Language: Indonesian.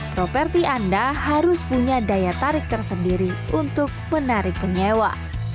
properti anda harus punya daya tarik tersendiri untuk penarik penyewa